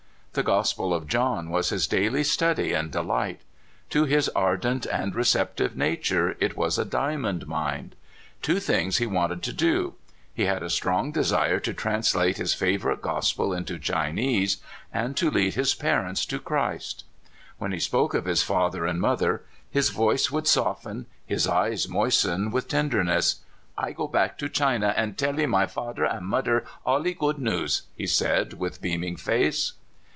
The Gospel of John w r as his daily study and de light. To his ardent and receptive nature it was a diamond mine. Two things he wanted to do. lie had a strong desire to translate his favorite Gospel into Chinese, and to lead his parents to Christ. When he spoke of his father and mother his voice would soften, his eyes moisten with ten derness. "I go back to China and tellee my fader and mydder allee good news," he said, with beaming face.